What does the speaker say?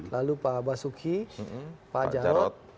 lalu pak basuki pak jarod